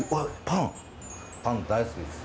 パン、大好きです。